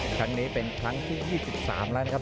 ครั้งนี้เป็นครั้งที่๒๓แล้วนะครับ